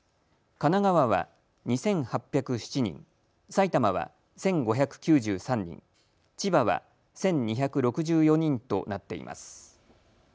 神奈川は２８０７人、埼玉は１５９３人、千葉は１２６４人となっています。